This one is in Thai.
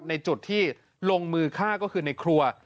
ในจุดที่ลงมือฆ่าก็คือในครัว